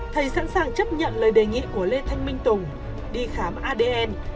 thầy sẵn sàng chấp nhận lời đề nghị của lê thanh minh tùng đi khám adn